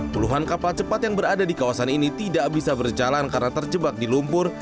puluhan kapal cepat yang berada di kawasan ini tidak bisa berjalan karena terjebak di lumpur